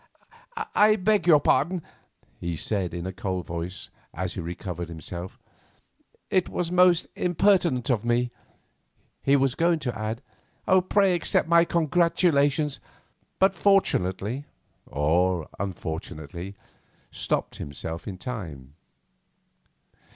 "I beg your pardon," he said in a cold voice, as he recovered himself; "it was most impertinent of me." He was going to add, "pray accept my congratulations," but fortunately, or unfortunately, stopped himself in time.